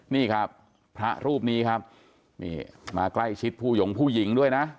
นี่ครับพระรูปนี้ครับนี่มาใกล้ชิดผู้หยงผู้หญิงด้วยนะ